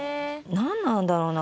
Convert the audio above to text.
何なんだろうな？